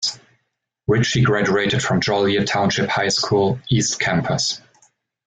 Richie graduated from Joliet Township High School, East Campus.